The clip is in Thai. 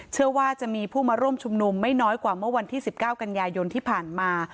เชื่อว่าจะมีผู้มาร่วมชุมนุมไม่น้อยกว่าเมื่อวันที่๑๙กันยายนที่ผ่านมา